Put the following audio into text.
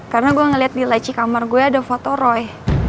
karena gue ngeliat di laci kamar gue ada foto roy